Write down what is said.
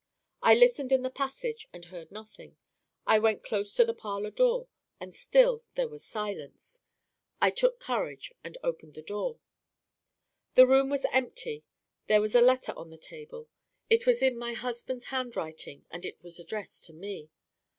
"I listened in the passage, and heard nothing. I went close to the parlor door, and still there was silence. I took courage, and opened the door. "The room was empty. There was a letter on the table. It was in my husband's handwriting, and it was addressed to me.